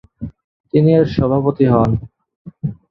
তিনি এর সভাপতি হন।